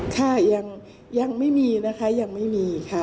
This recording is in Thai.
ค่ะยังไม่มีนะคะยังไม่มีค่ะ